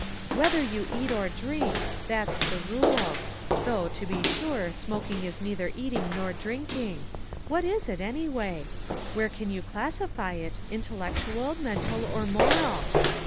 'Whether you eat or drink,' that's the rule; though, to be sure, smoking is neither eating nor drinking; what is it, anyway? Where can * you classify it, intellectual, mental or moral